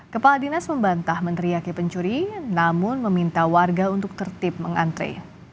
kepala dinas membantah meneriaki pencuri namun meminta warga untuk tertip mengantre